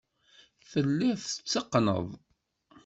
Telliḍ tetteqqneḍ.